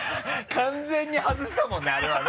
完全に外したもんねあれはね。